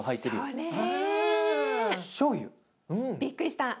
びっくりした。